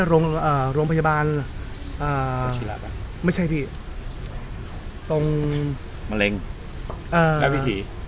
โรงเอ่อโรงพยาบาลเอ่อไม่ใช่พี่ตรงมะเร็งเอ่อและวิถี